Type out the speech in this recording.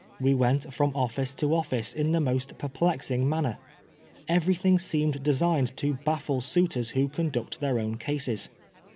We went from office to office in the most perplexing manner. Everything seemed designed to baffie suitors who conduct their own cases.